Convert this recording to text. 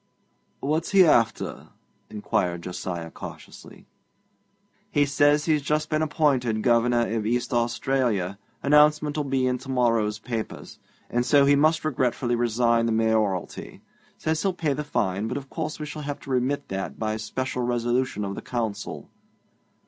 'What's he after?' inquired Josiah cautiously. 'He says he's just been appointed Governor of East Australia announcement 'll be in to morrow's papers and so he must regretfully resign the mayoralty. Says he'll pay the fine, but of course we shall have to remit that by special resolution of the Council.'